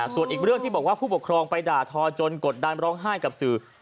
ส่วนอีกเรื่องที่บอกว่าผู้ปกครองไปด่าทอจนกดดันร้องไห้กับสื่อ